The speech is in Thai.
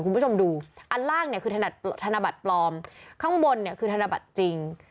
คุณผู้ชมดูอันล่างเนี่ยคือธนบัตรปลอมข้างบนเนี่ยคือธนบัตรจริง